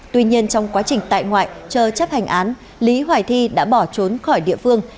tuy nhiên trong quá trình tại ngoại chờ chấp hành án lý hoài thi đã bỏ trốn khỏi địa phương